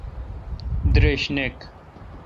درشنیک